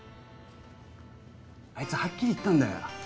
あいつはっきり言ったんだよ